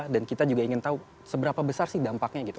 dan kita juga ingin tahu seberapa besar sih dampaknya gitu